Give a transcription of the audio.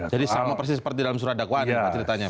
jadi sama persis seperti dalam surat dakwaan ya pak ceritanya